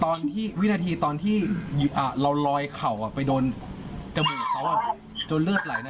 ตอนที่วินาทีตอนที่เราลอยเขาไปโดนกระบวนเขาจนเลือดไหลนะ